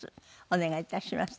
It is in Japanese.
お願いいたします。